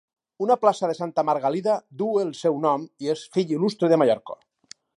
Una plaça de Santa Margalida du el seu nom i és fill il·lustre de Mallorca.